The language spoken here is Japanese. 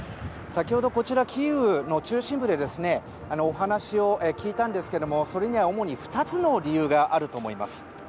先ほど、こちらキーウの中心部でお話を聞いたんですけれどもそれには主に２つの理由があると思います。